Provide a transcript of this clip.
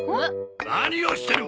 何をしてる！？